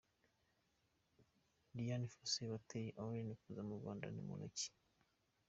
Dian Fossey wateye Ellen kuza mu Rwanda ni muntu ki ?.